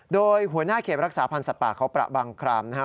โดยหัวหน้าเขตรักษาพันธ์สัตว์ป่าเขาประบังครามนะครับ